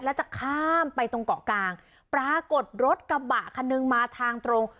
แล้วจะข้ามไปตรงเกาะกลางปรากฏรถกระบะคันนึงมาทางตรง